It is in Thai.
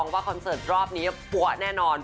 คอนเสิร์ตรอบนี้ปั๊วแน่นอน